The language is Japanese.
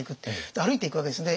歩いていくわけですね。